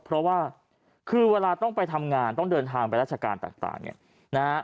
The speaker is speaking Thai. เพราะว่าคือเวลาต้องไปทำงานต้องเดินทางไปราชการต่างเนี่ยนะฮะ